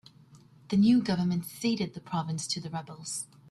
The new government ceded the province to the rebels.